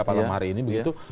malam hari ini begitu